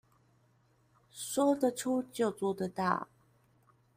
說得出就做得到